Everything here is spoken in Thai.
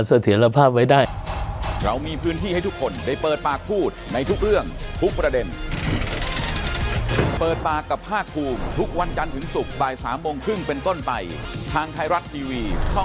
เสถียรภาพไว้ได้